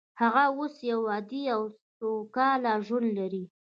هغه اوس یو عادي او سوکاله ژوند لري